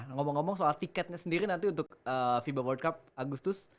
nah ngomong ngomong soal tiketnya sendiri nanti untuk fiba world cup agustus